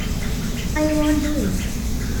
I won't do it!